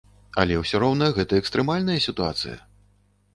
Але ўсё роўна гэта экстрэмальная сітуацыя!